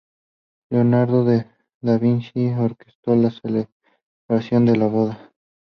Leonardo da Vinci orquestó la celebración de la boda.